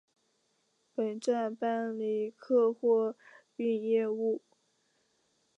本站办理客货运业务。